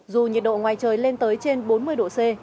dù nhiệt độ ngoài trời lên tới trên bốn mươi độ c